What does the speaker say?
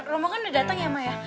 rombongan udah datang ya ma ya